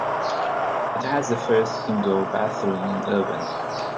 It has the first indoor bathroom in Erwin.